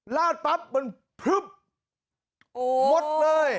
ลาดปั๊บมันพลึบหมดเลย